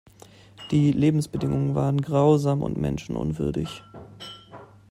Die Lebensbedingungen waren grausam und menschenunwürdig.